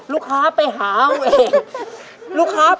ลูกค้าไปหาเอาเอง